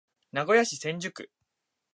名古屋市千種区